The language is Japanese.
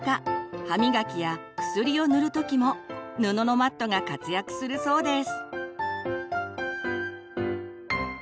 歯磨きや薬を塗る時も布のマットが活躍するそうです。